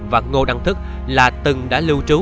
và ngô đăng thức là từng đã lưu trú